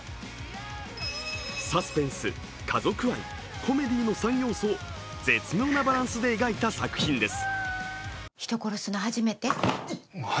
サスペンス、家族愛、コメディーの３要素を絶妙なバランスで描いた作品です。